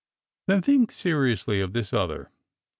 " Then think seriously of this other.